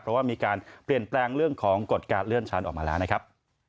เพราะว่ามีการเปลี่ยนแปลงเรื่องของกฎการเลื่อนชั้นออกมาแล้วนะครับ